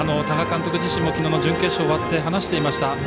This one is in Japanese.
多賀監督自身もきのうの準決勝終わって話していました。